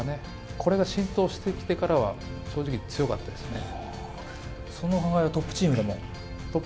これが浸透してきてからは、正直強かったですね。